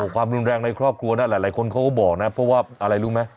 ความรุนแรงในครอบครัวนั้นหลายคนเขาก็บอกนะเพราะว่าอะไรรู้ไหม